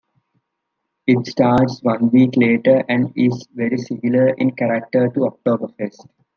It starts one week later and is very similar in character to Oktoberfest.